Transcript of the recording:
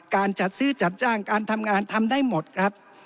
การจัดซื้อจัดจ้างการทำงานทำได้หมดครับ